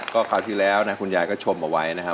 ก็คราวที่แล้วนะคุณยายก็ชมเอาไว้นะครับ